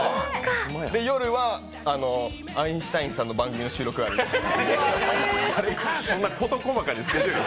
夜はアインシュタインさんの番組の収録ある。